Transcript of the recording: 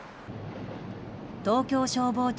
東京消防庁